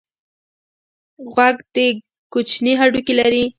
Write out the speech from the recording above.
غوږ درې کوچني هډوکي لري.